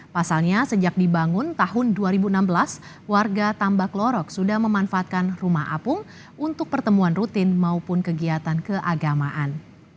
pasalnya sejak dibangun tahun dua ribu enam belas warga tambak lorok sudah memanfaatkan rumah apung untuk pertemuan rutin maupun kegiatan keagamaan